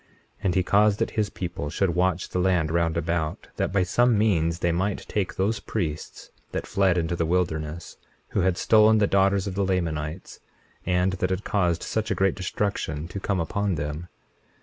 21:20 And he caused that his people should watch the land round about, that by some means they might take those priests that fled into the wilderness, who had stolen the daughters of the Lamanites, and that had caused such a great destruction to come upon them.